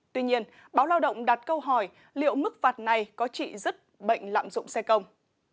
tuy nhiên báo lao động đặt câu hỏi liệu mức phạt này có trị dứt bệnh lạm dụng xe công